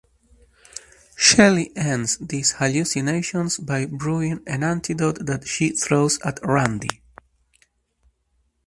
Shelly ends these hallucinations by brewing an antidote that she throws at Randy.